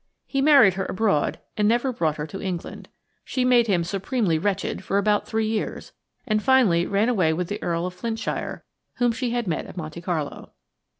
He married her abroad, and never brought her to England. She made him supremely wretched for about three years, and finally ran away with the Earl of Flintshire, whom she had met at Monte Carlo.